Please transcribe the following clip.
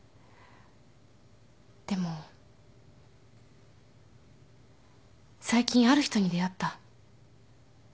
でも最近ある人に出会った